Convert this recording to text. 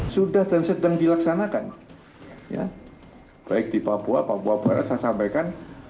sudah dan sedang dilaksanakan ya baik di papua papua barat saya sampaikan